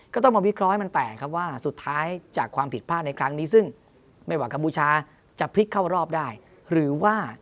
ก็ต้องมาวิเคราะห์ให้มันแตกครับว่า